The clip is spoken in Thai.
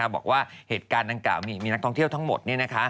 บอกว่าเหตุการณ์ดังกล่าวมีนักท่องเที่ยวทั้งหมด